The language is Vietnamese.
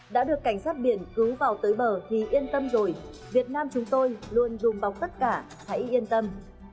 đã được cảnh sát biển cứu vào tới bờ thì yên tâm rồi việt nam chúng tôi luôn đùm bọc tất cả hãy yên tâm